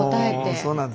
そうなんです。